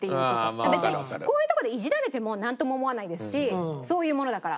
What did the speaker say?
別にこういうとこでイジられてもなんとも思わないですしそういうものだから。